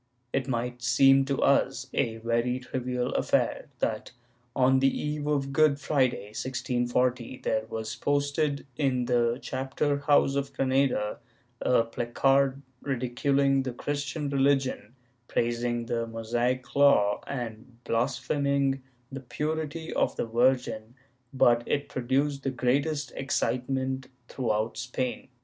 It might seem to us a very trivial affair that, on the eve of Good Friday, 1640, there was posted, in the chapter house of Granada, a placard ridiculing the Christian religion, praising the Mosaic Law, and blaspheming the purity of the Virgin, but it produced the greatest excitement throughout Spain.